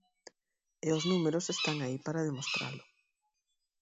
E os números están aí para demostralo.